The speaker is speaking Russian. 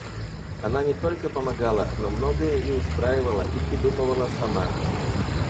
Она не только помогала, но многое и устраивала и придумывала сама.